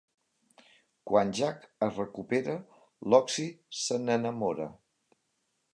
Quan Jack es recupera, Loxi se n'enamora.